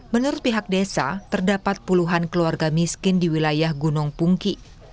menurut pihak desa terdapat puluhan keluarga miskin di wilayah gunung pungki